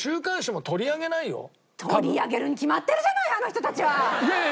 いやいや取り上げるに決まってるじゃないあの人たちは！